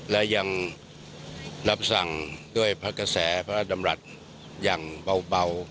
และยังรับสั่งด้วยพระกระแสพระราชดำรัฐอย่างเบา